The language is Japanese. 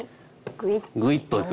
ぐいっといく。